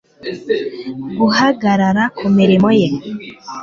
guhagarara ku mirimo ye